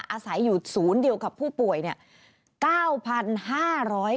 อาศัยอยู่ศูนย์เดียวกับผู้ป่วยเนี่ย